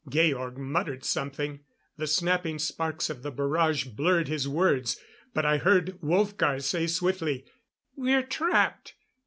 Georg muttered something; the snapping sparks of the barrage blurred his words. But I heard Wolfgar say swiftly: "We're trapped!